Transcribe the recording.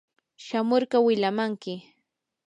shamurqa wilamanki.